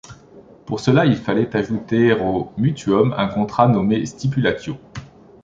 Pour cela, il fallait ajouter au mutuum un contrat nommé stipulatio.